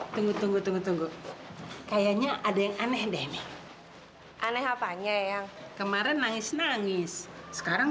tunggu tunggu tunggu tunggu kayaknya ada yang aneh deh aneh apanya yang kemarin nangis nangis sekarang